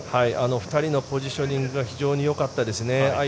２人のポジショニングが非常によかったですね。